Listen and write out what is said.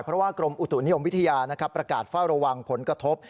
เพราะว่ากรมอุตุนิยมวิทยาประกาศเฝ้าระวังผลกระทบ